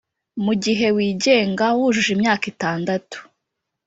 mugihe wigenga, wujuje imyaka itandatu,